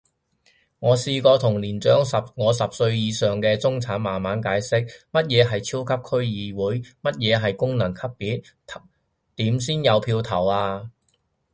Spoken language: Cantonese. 我試過同年長我十年以上嘅中產慢慢解釋，乜嘢係超級區議會？乜嘢係功能組別？點先有票投啊？